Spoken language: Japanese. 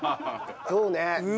そうね。